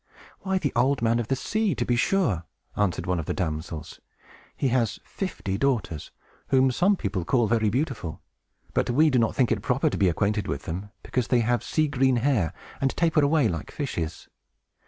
"Why, the Old Man of the Sea, to be sure!" answered one of the damsels. "He has fifty daughters, whom some people call very beautiful; but we do not think it proper to be acquainted with them, because they have sea green hair, and taper away like fishes.